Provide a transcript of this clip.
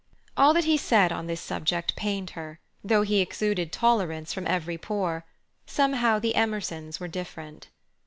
All that he said on this subject pained her, though he exuded tolerance from every pore; somehow the Emersons were different.